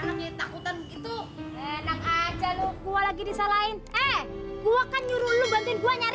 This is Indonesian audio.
sampai jumpa di video selanjutnya